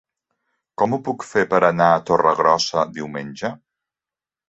Com ho puc fer per anar a Torregrossa diumenge?